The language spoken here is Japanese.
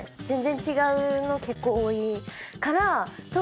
全然違うの結構多いから。